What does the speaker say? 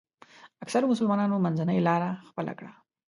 اکثرو مسلمانانو منځنۍ لاره خپله کړه.